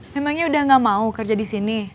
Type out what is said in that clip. memangnya udah gak mau kerja di sini